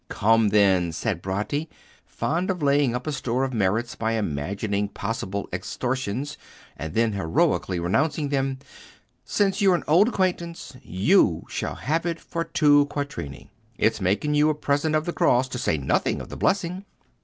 "Come, then," said Bratti, fond of laying up a store of merits by imagining possible extortions and then heroically renouncing them, "since you're an old acquaintance, you shall have it for two quattrini. It's making you a present of the cross, to say nothing of the blessing."